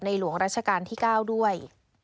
หลวงราชการที่๙ด้วย